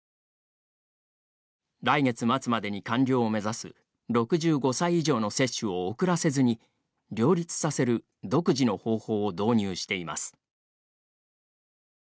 来月末までに完了を目指す６５歳以上の接種を遅らせずに両立させる独自の方法を導入しています。